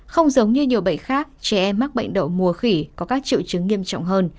không giống như nhiều bệnh khác trẻ em mắc bệnh đậu mùa khỉ có các triệu chứng nghiêm trọng hơn